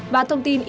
và thông tin